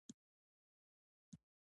که موږ انټرنیټ ولرو نو پرمختګ کوو.